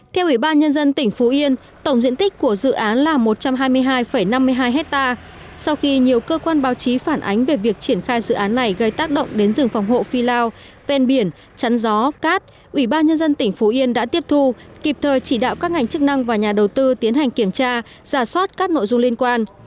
theo ủy ban nhân dân tỉnh phú yên tổng diện tích của dự án là một trăm hai mươi hai năm mươi hai hectare sau khi nhiều cơ quan báo chí phản ánh về việc triển khai dự án này gây tác động đến rừng phòng hộ phi lao ven biển chắn gió cát ủy ban nhân dân tỉnh phú yên đã tiếp thu kịp thời chỉ đạo các ngành chức năng và nhà đầu tư tiến hành kiểm tra giả soát các nội dung liên quan